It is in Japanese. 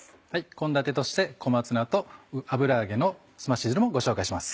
献立として小松菜と油揚げのすまし汁もご紹介します。